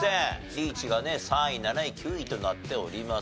リーチが３位７位９位となっておりますが。